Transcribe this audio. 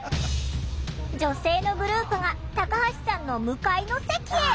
女性のグループがタカハシさんの向かいの席へ。